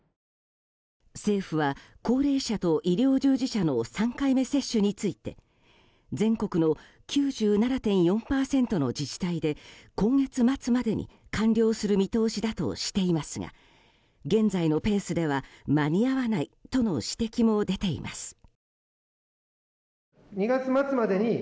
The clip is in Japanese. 政府は高齢者と医療従事者の３回目接種について全国の９７．４％の自治体で今月末までに完了する見通しだとしていますが現在のペースでは間に合わないとの指摘も出ています。